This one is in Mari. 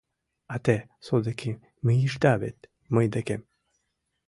А те, содыки, мийышда вет мый декем.